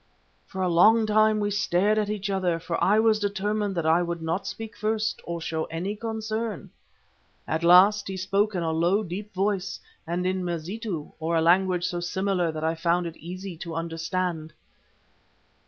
"For a long while we stared at each other, for I was determined that I would not speak first or show any concern. At last he spoke in a low, deep voice and in Mazitu, or a language so similar that I found it easy to understand.